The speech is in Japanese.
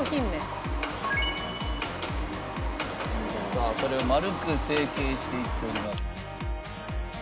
さあそれを丸く成型していっております。